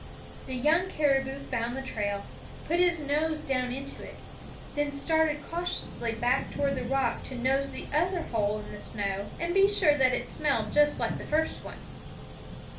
The young caribou found the trail, put his nose down into it, then started cautiously back toward the rock to nose the other hole in the snow and be sure that it smelled just like the first one.